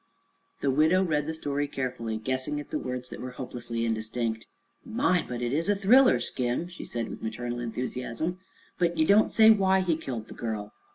The widow read the story carefully, guessing at the words that were hopelessly indistinct. "My! but it's a thriller, Skim," she said with maternal enthusiasm; "but ye don't say why he killed the girl."